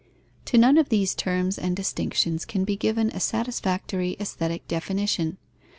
To none of these terms and distinctions can be given a satisfactory aesthetic definition.